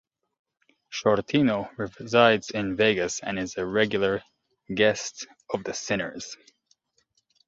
Shortino resides in Vegas and is a regular guest of the Sinners.